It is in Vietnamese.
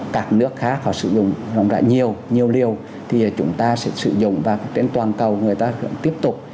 các nước khác họ sử dụng nhiều liều thì chúng ta sẽ sử dụng và trên toàn cầu người ta sẽ tiếp tục